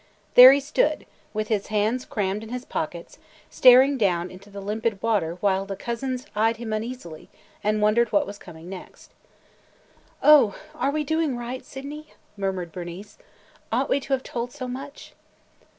There he stood, with his hands crammed in his pockets, staring down into the limpid water while the cousins eyed him uneasily and wondered what was coming next. "Oh, are we doing right Sydney?" murmured Bernice. "Ought we to have told – so much?"